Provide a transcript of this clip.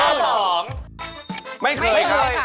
ไม่เคยครับไม่เคยค่ะ